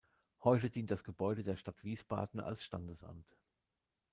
Heute dient das Gebäude der Stadt Wiesbaden als Standesamt.